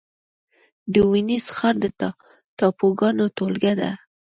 د وينز ښار د ټاپوګانو ټولګه ده.